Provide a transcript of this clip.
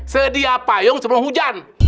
sedia payung sebelum hujan